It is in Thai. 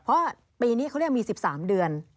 เพราะปีนี้เขาเรียกมี๑๓เดือน